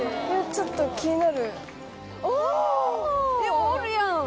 ちょっと気になる。